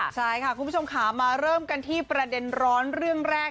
ใช่ค่ะคุณผู้ชมค่ะมาเริ่มกันที่ประเด็นร้อนเรื่องแรก